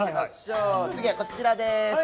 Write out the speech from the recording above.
次はこちらです。